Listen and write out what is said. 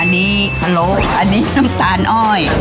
น้ำตาลอ้อย